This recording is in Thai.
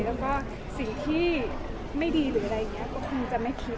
แล้วก็สิ่งที่ไม่ดีหรืออะไรอย่างนี้ก็คงจะไม่คิด